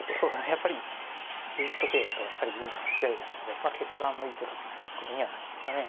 やっぱり銀と桂だとやっぱり銀の方が強いですので決断の一手ということにはなりますかね。